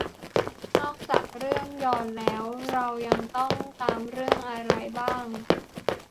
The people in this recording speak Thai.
นอกจากเรื่องฌอนแล้วเรายังต้องตามเรื่องอะไรบ้าง